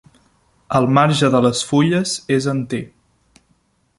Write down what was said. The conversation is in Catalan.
El marge de les fulles és enter.